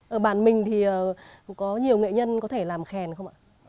ở bản mình thì có nhiều nghệ nhân có thể làm khen không ạ